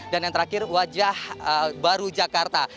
dan yang terakhir wajah baru jakarta